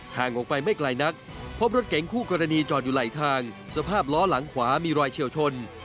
ห่างออกไปไม่ไกลนักพบรถเก๋งคู่กรณีจอดอยู่ไหลทางสภาพล้อหลังขวามีรอยเฉียวชน